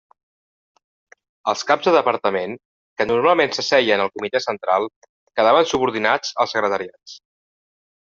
Els caps de departament, que normalment s'asseien al Comitè Central, quedaven subordinats als secretariats.